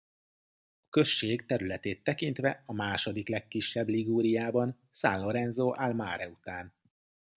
A község területét tekintve a második legkisebb Liguriában San Lorenzo al Mare után.